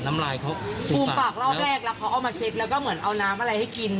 น้ำลายเขาภูมิปากรอบแรกแล้วเขาเอามาเช็ดแล้วก็เหมือนเอาน้ำอะไรให้กิน